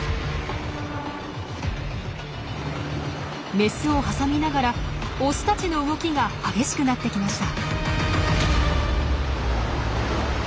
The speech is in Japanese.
メスを挟みながらオスたちの動きが激しくなってきました。